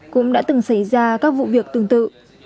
cũng đã từng xảy ra các vụ việc tương tự